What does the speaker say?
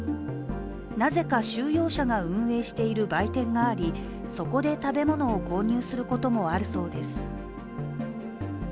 なぜか収容者が運営している売店がありそこで食べ物を購入することもあるそうです。